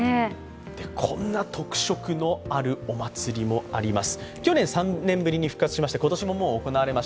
こんな特色のあるお祭りもあります。